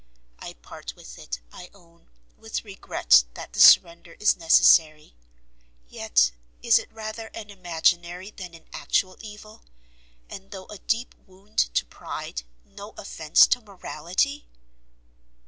I part with it, I own, with regret that the surrender is necessary; yet is it rather an imaginary than an actual evil, and though a deep wound to pride, no offence to morality.